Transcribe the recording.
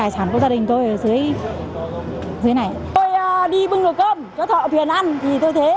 chất thải và nước thải